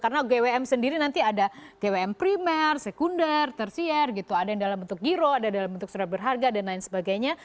karena gwm sendiri nanti ada gwm primer sekunder tersier gitu ada yang dalam bentuk giro ada yang dalam bentuk surat berharga dan lain sebagainya